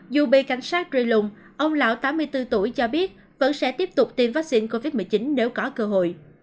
dù bị cảnh sát reung ông lão tám mươi bốn tuổi cho biết vẫn sẽ tiếp tục tiêm vaccine covid một mươi chín nếu có cơ hội